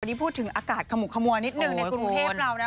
นี่พูดถึงอากาศขมุกขมัวนิดหนึ่งในกรุงเทพเรานะ